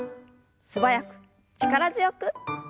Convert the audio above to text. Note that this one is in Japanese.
素早く力強く。